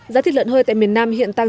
giá thịt lợn hơi tại miền nam hiện tăng